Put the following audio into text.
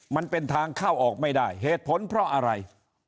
มันเป็นทางเข้าออกไม่ได้เหตุผลเพราะอะไร